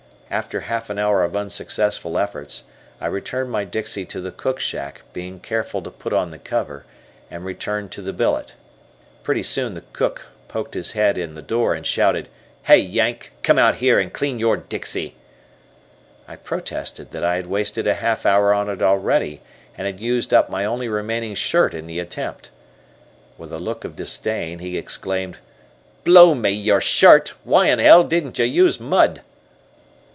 After half an hour of unsuccessful efforts, I returned my dixie to the cook shack, being careful to put on the cover, and returned to the billet. Pretty soon the cook poked his head in the door and shouted: "Hey, Yank, come out here and clean your dixie!" I protested that I had wasted a half hour on it already, and had used up my only remaining shirt in the attempt. With a look of disdain, he exclaimed: "Blow me, your shirt! Why in 'ell didn't you use mud?"